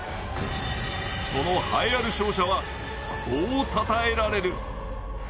その栄えある勝者はこう称えられる。